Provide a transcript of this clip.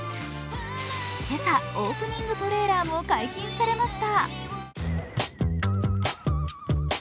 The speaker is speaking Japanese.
今朝、オープニングトレーラーも解禁されました。